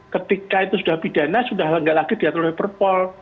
ketika itu sudah pidana sudah tidak lagi diatur oleh perpol